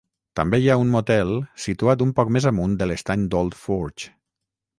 També hi ha un motel situat un poc més amunt de l'estany d'Old Forge.